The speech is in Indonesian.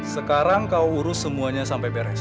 sekarang kau urus semuanya sampai beres